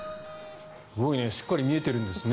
すごいねしっかり見えているんですね。